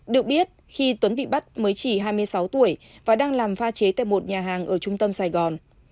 được biết khi tuấn bị bắt mới chỉ hai mươi sáu tuổi và đang làm pha chế tại một nhà hàng ở trung tâm sài gòn